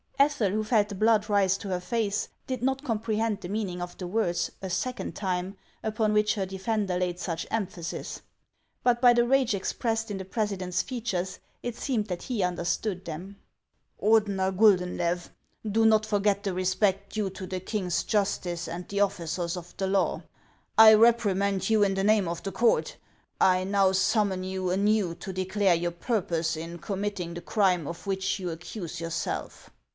Ethel, who felt the blood rise to her face, did not com prehend the meaning of the words, " a second time," upon which her defender laid such emphasis ; but by the rage expressed in the president's features, it seemed that he understood them. " Ordener Guldenlew, do not forget the respect due to the king's justice and the officers of the law. I repri mand you in the name of the court. I now summon you anew to declare your purpose in committing the crime of which you accuse yourself."